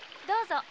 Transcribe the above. どうぞ。